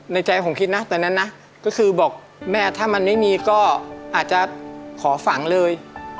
ใจผมคิดนะตอนนั้นนะก็คือบอกแม่ถ้ามันไม่มีก็อาจจะขอฝังเลย